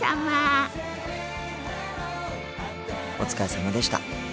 お疲れさまでした。